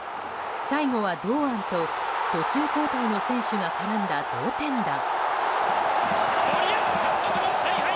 最後は堂安と途中交代の選手が絡んだ同点弾。